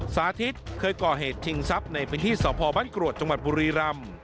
สาธิตเคยก่อเหตุชิงทรัพย์ในพิธีสพบกรวจจบุรีรำ